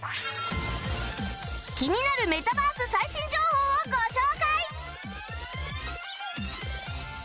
気になるメタバース最新情報をご紹介！